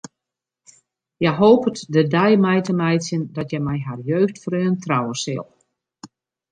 Hja hopet de dei mei te meitsjen dat hja mei har jeugdfreon trouwe sil.